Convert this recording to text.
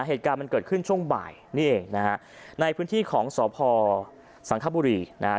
เหตุการณ์มันเกิดขึ้นช่วงบ่ายนี่เองนะฮะในพื้นที่ของสพสังคบุรีนะฮะ